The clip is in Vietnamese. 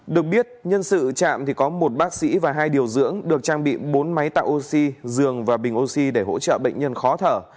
được biết nhân sự chạm có một bác sĩ và hai điều dưỡng được trang bị bốn máy tạo oxy giường và bình oxy để hỗ trợ bệnh nhân khó thở